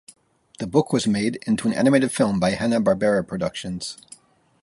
The book was made into an animated film by Hanna-Barbera Productions.